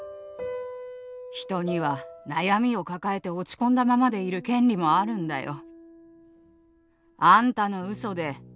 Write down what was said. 「人には悩みを抱えて落ち込んだままでいる権利もあるんだよ」。